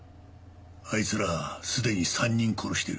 あいつらはすでに３人殺してる。